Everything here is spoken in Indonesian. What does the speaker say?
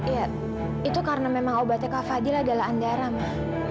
ya itu karena memang obatnya kak fadil adalah andarama